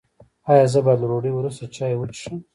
ایا زه باید له ډوډۍ وروسته چای وڅښم؟